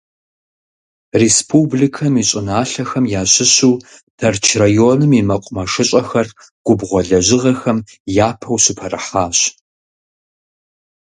Республикэм и щӏыналъэхэм ящыщу Тэрч районым и мэкъумэшыщӏэхэр губгъуэ лэжьыгъэхэм япэу щыпэрыхьащ.